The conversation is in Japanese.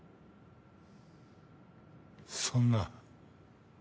そんな。